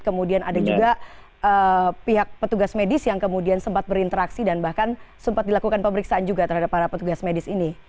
kemudian ada juga pihak petugas medis yang kemudian sempat berinteraksi dan bahkan sempat dilakukan pemeriksaan juga terhadap para petugas medis ini